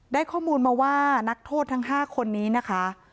ได้ข้อมูลมาว่านักโทษทั้ง๕คนนี้นะคะ